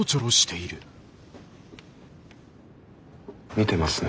見てますね。